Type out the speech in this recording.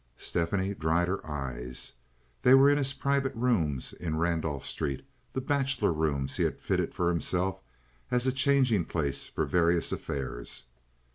Stephanie dried her eyes. They were in his private rooms in Randolph Street, the bachelor rooms he had fitted for himself as a changing place for various affairs.